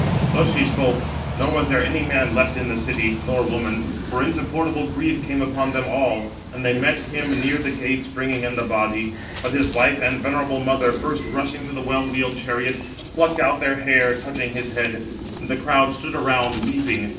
Thus she spoke; nor was there any man left in the city, nor woman; for insupportable grief came upon them all, and they met him near the gates bringing in the body. But his wife and venerable mother first rushing to the well wheeled chariot, plucked out their hair, touching his head; and the crowd stood around, weeping.